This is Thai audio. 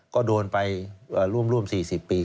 ก็โดนไปร่วม๔๐ปี